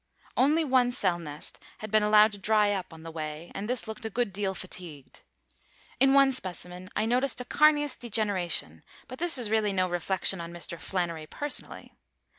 Only one cell nest had been allowed to dry up on the way, and this looked a good deal fatigued. In one specimen I noticed a carneous degeneration, but this is really no reflection on Mr. Flannery personally.